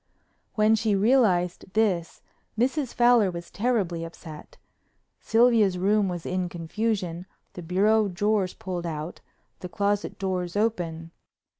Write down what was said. When she realized this Mrs. Fowler was terribly upset. Sylvia's room was in confusion, the bureau drawers pulled out, the closet doors open.